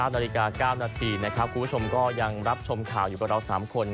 ๙นาฬิกา๙นาทีนะครับคุณผู้ชมก็ยังรับชมข่าวอยู่กับเรา๓คน